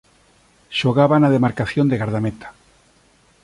Xogaba na demarcación de gardameta.